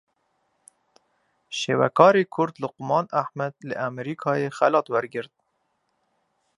Şêwekarê Kurd Luqman Ehmed li Amerîkayê xelat wergirt.